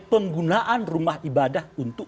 penggunaan rumah ibadah untuk